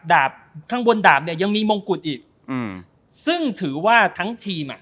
ดาบข้างบนดาบเนี่ยยังมีมงกุฎอีกอืมซึ่งถือว่าทั้งทีมอ่ะ